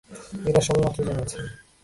এরা সবে মাত্র জন্মেছে।